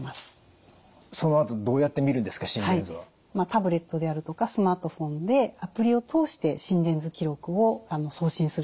タブレットであるとかスマートフォンでアプリを通して心電図記録を送信することが可能です。